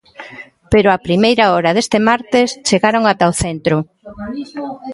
Pero á primeira hora deste martes chegaron ata o centro.